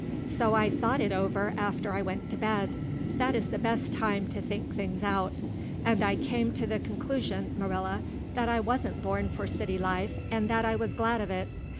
So I thought it over after I went to bed. That is the best time to think things out. And I came to the conclusion, Marilla, that I wasn't born for city life and that I was glad of it.